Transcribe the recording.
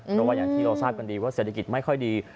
เพราะว่าอย่างที่เราทราบกันดีว่าเศรษฐกิจไม่ค่อยดี